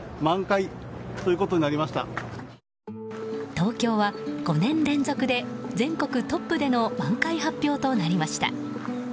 東京は５年連続で全国トップでの満開発表となりました。